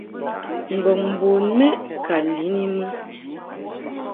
Ngɔŋ bun mɛʼ ka lin I mɨ.